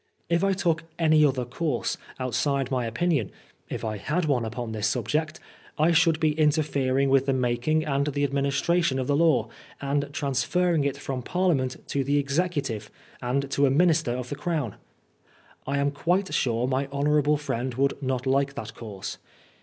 If I took any other course, outside my opinion — if I had one upon this subject — I should be interfering with the making and with the administration of the law, and transferring it from Parliament to the Executive and to a Minister of the Crown. I am quite sure my hon. friend would not like that course.